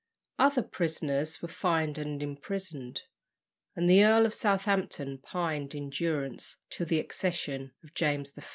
Other prisoners were fined and imprisoned, and the Earl of Southampton pined in durance till the accession of James I.